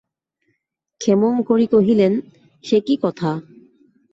ক্ষেমংকরী কহিলেন, সে কী কথা!